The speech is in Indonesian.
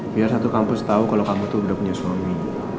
biar satu kampus tahu kalau kamu tuh udah punya suami